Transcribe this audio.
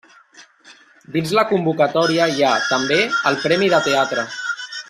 Dins la convocatòria hi ha, també, el premi de teatre.